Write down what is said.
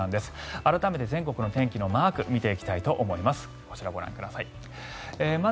改めて全国の天気のマークを見ていきたいと思います。